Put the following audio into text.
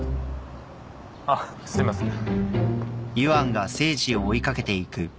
あっすいません。